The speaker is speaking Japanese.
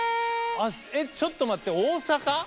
えっちょっと待って大阪？